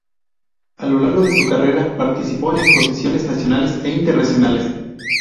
A lo largo de su carrera participó en exposiciones nacionales e internacionales.